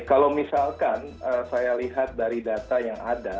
kalau misalkan saya lihat dari data yang ada